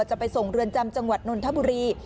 จะไปส่งเรือนจำจังหวัดนนทบุรี